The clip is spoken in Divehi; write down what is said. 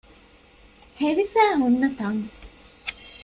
ހެވިފައި ހުންނަ ތަން